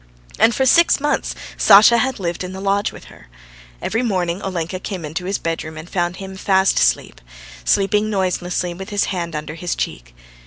And for six months Sasha had lived in the lodge with her. Every morning Olenka came into his bedroom and found him fast asleep, sleeping noiselessly with his hand under his cheek.